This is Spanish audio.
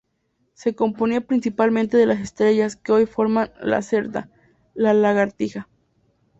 Se componía principalmente de las estrellas que hoy forman Lacerta, la 'Lagartija'.